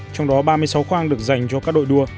trong đó ba mươi sáu khoang được dành cho các đội đua